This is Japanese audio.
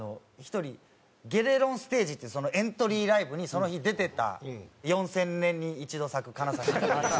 １人「ゲレロンステージ」っていうエントリーライブにその日出てた４０００年に一度咲く金指。